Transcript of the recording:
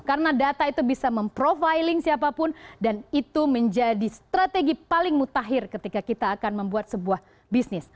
karena data itu bisa memprofiling siapapun dan itu menjadi strategi paling mutakhir ketika kita akan membuat sebuah bisnis